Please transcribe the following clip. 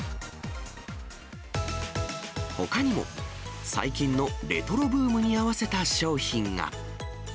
ほかにも、最近のレトロブームに合わせた商品が。